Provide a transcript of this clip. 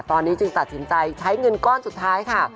ตอนนี้จึงตัดสินใจใช้เงินก้อนสุดท้ายค่ะ